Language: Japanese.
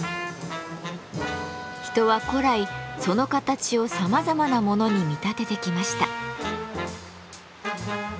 人は古来その形をさまざまなものに見立ててきました。